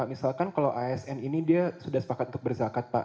misalkan kalau asn ini dia sudah sepakat untuk berzakat pak